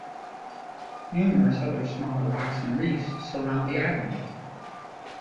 Numerous other smaller rocks and reefs surround the island.